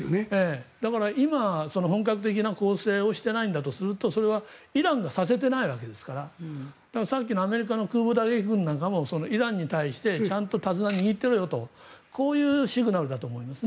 だから今、本格的な攻勢をしてないんだとするとそれはイランがさせていないわけですからさっきのアメリカの空母打撃群なんかもイランに対してちゃんと手綱を握っていろよとこういうシグナルだと思います。